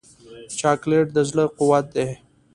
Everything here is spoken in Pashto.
چاکلېټ د زړه قوت دی.